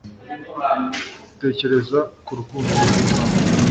tekereza ku rukundo rwi mana